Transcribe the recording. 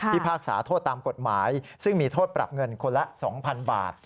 พากษาโทษตามกฎหมายซึ่งมีโทษปรับเงินคนละ๒๐๐๐บาท